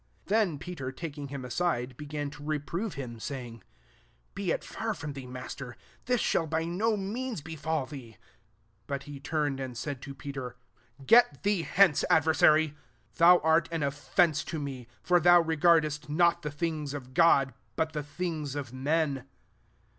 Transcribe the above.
22 Then Peter taking him aside, began to re prove him, saying, " Be it far from thee. Master : this shall by no means befal thee." 23 But he turned and said to Peter, *' Get thee hence, adversary ! thou art an offence to me : for thou re gardest not the things of God, but the things of men.''